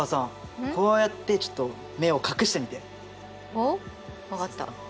おっ？分かった。